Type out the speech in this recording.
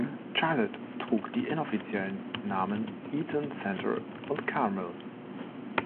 Charlotte trug die inoffiziellen Namen Eaton Centre und Carmel.